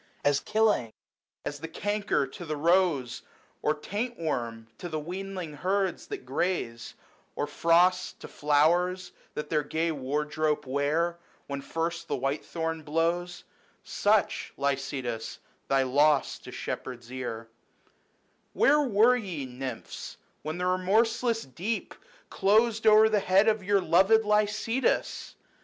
As killing as the canker to the rose, Or taint worm to the weanling herds that graze, Or frost to flowers, that their gay wardrobe wear, When first the white thorn blows ; Such, Lycidas, thy loss to shepherd's ear (> x x ^ Where were ye, Nymphs, when the remorseless deep 5l> Closed o'er the head of your loved Lycidas